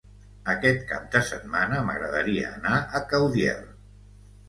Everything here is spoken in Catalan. Aquest cap de setmana m'agradaria anar a Caudiel.